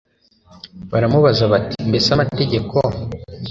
baramubaza bati mbese amategeko